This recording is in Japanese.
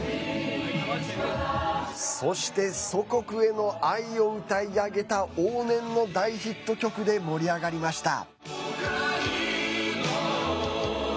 そして、祖国への愛を歌い上げた往年の大ヒット曲で盛り上がりました。